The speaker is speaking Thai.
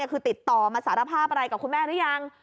คือติดต่อมาสารภาพอะไรกับคุณแม่หรือยัง